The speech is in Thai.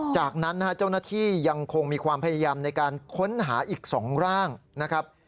จากนั้นนะฮะเจ้าหน้าที่ยังคงมีความพยายามในการค้นหาอีก๒ร่างนะครับ